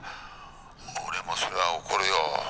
俺もそれは怒るよ」。